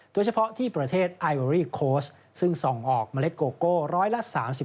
โดยเฉพาะที่ประเทศไอโอรี่โค้ชซึ่งส่งออกเมล็ดโกโก้ร้อยละ๓๕